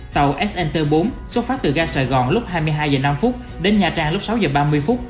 tàu snt bốn xuất phát từ ga sài gòn lúc hai mươi hai h năm đến nha trang lúc sáu giờ ba mươi phút